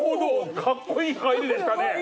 かっこいい入りでしたね。